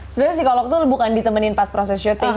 sebenarnya psikolog tuh bukan ditemenin pas proses syuting